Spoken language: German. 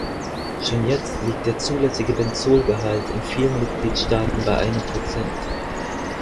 Schon jetzt liegt der zulässige Benzolgehalt in vielen Mitgliedstaaten bei einem Prozent.